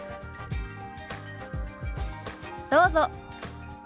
どうぞ。